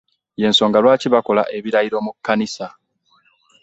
Yensonga lwaki bakola ebirayiro mu kkanisa .